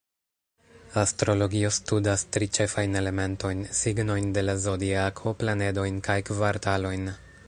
Astrologio studas tri ĉefajn elementojn: signojn de la zodiako, planedojn kaj kvartalojn.